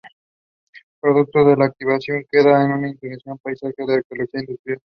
Producto de esta actividad queda un interesante paisaje de arqueología industrial.